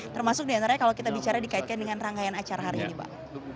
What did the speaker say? termasuk diantaranya kalau kita bicara dikaitkan dengan rangkaian acara hari ini pak